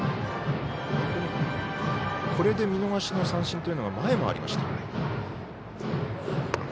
これで見逃しの三振が前もありました。